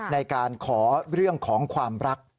ในการขอเรื่องของความรัก